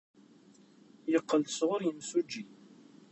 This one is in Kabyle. Yeqqel-d sɣur yimsujji.